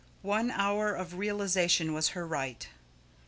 One hour of realisation was her right.